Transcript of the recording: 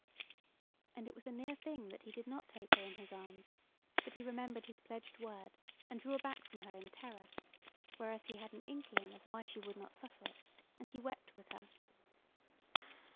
And it was a near thing that he did not take her in his arms, but he remembered his pledged word, and drew aback from her in terror, whereas he had an inkling of why she would not suffer it; and he wept with her.